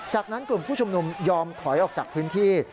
จากนั้นกลุ่มผู้ชุมนุมยอมถอยออกจากพื้นที่